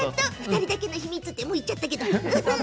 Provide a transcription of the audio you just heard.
２人だけの秘密ってもう言っちゃったけど。